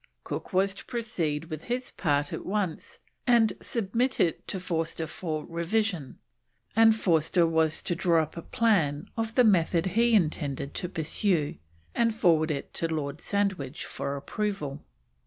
Cook was to proceed with his part at once and submit it to Forster for revision, and Forster was to draw up a plan of the method he intended to pursue and forward it to Lord Sandwich for approval.